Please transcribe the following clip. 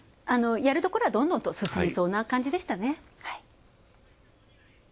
やるところはどんどんと進めそうな感じでしたね。